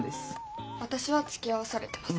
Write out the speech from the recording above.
私はつきあわされてます。